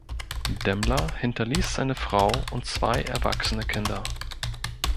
Demmler hinterließ seine Frau und zwei erwachsene Kinder.